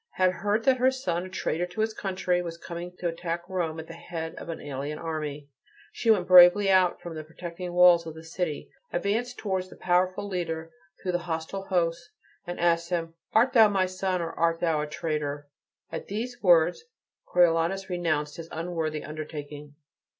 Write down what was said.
Having heard that her son, a traitor to his country, was coming to attack Rome at the head of an alien army, she went bravely out from the protecting walls of the city, advanced towards the powerful leader through the hostile host, and asked him, "Art thou my son, or art thou a traitor?" At those words Coriolanus renounced his unworthy undertaking.